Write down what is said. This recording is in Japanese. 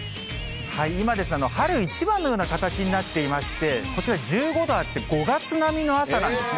今、春一番のような形になっていまして、こちら１５度あって、５月並みの朝なんですね。